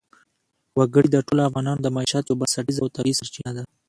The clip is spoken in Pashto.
وګړي د ټولو افغانانو د معیشت یوه بنسټیزه او طبیعي سرچینه ده.